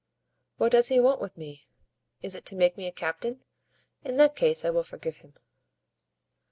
What does he want with me? Is it to make me a captain? In that case I will forgive him."